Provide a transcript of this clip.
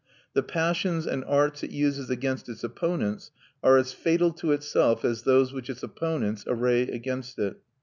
The passions and arts it uses against its opponents are as fatal to itself as those which its opponents array against it.